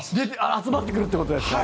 集まってくるってことですか。